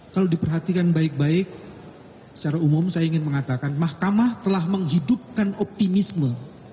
kalau diperhatikan baik baik secara umum saya ingin mengatakan mahkamah telah menghidupkan optimisme